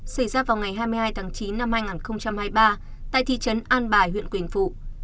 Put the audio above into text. xảy ra vào ngày hai mươi hai tháng chín năm hai nghìn hai mươi ba tại thị trấn an bài huyện quỳnh phụ